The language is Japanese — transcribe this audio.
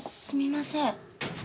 すみません。